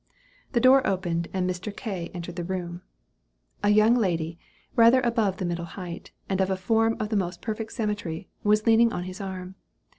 The door opened, and Mr. K. entered the room. A young lady, rather above the middle height, and of a form of the most perfect symmetry, was leaning on his arm.